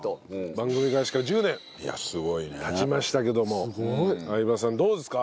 番組開始から１０年経ちましたけども相葉さんどうですか？